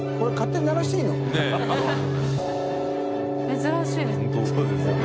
珍しいですね。